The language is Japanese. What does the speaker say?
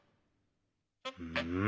うん？